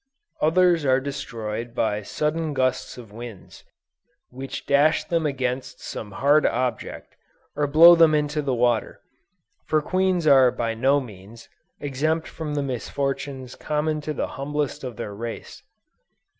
Others are destroyed by sudden gusts of winds, which dash them against some hard object, or blow them into the water; for queens are by no means, exempt from the misfortunes common to the humblest of their race.